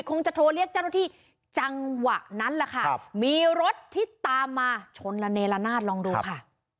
คงจะโทรเรียกเจ้าหน้าที่จังหวะนั้นแหละค่ะมีรถที่ตามมาชนละเนละนาดลองดูค่ะ